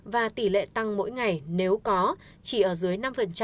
và tỷ lệ tăng mỗi ngày nếu có chỉ ở dưới năm